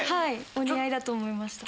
お似合いだと思いました。